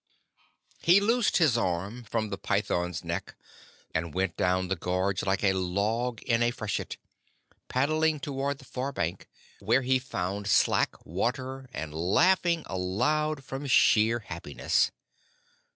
He loosed his arm from the python's neck and went down the gorge like a log in a freshet, paddling toward the far bank, where he found slack water, and laughing aloud from sheer happiness.